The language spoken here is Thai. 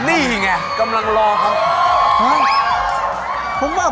คุณพี่ไงกำลังรอเขา